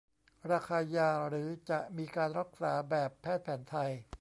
ราคายา หรือ จะมีการรักษาแบบแพทย์แผนไทย